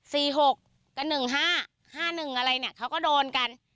หกกับหนึ่งห้าห้าหนึ่งอะไรเนี้ยเขาก็โดนกัน